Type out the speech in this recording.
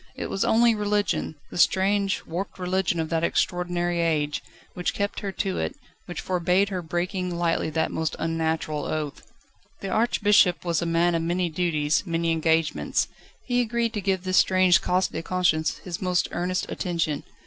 It was only religion the strange, warped religion of that extraordinary age which kept her to it, which forbade her breaking lightly that most unnatural oath. The Archbishop was a man of many duties, many engagements. He agreed to give this strange "cas de conscience" his most earnest attention.